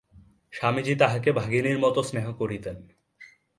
স্বামীজী তাঁহাকে ভগিনীর মত স্নেহ করিতেন।